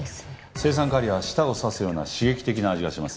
青酸カリは舌を刺すような刺激的な味がします。